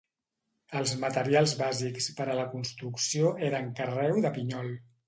Els materials bàsics per a la construcció eren carreu de pinyol.